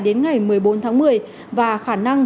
đến ngày một mươi bốn tháng một mươi và khả năng